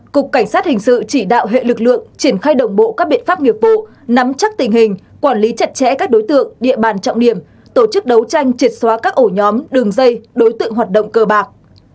cục cảnh sát hình sự chỉ đạo hệ lực lượng triển khai đồng bộ các biện pháp nghiệp vụ nắm chắc tình hình quản lý chặt chẽ các đối tượng địa bàn trọng điểm tổ chức đấu tranh triệt xóa các ổ nhóm đường dây đối tượng hoạt động cơ bạc